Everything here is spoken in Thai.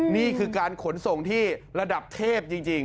นี่คือการขนส่งที่ระดับเทพจริง